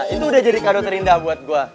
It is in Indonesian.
itu udah jadi kado terindah buat gue